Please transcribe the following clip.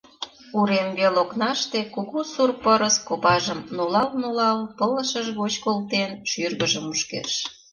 Урем вел окнаште кугу сур пырыс копажым, нулал-нулал, пылышыж гоч колтен, шӱргыжым мушкеш.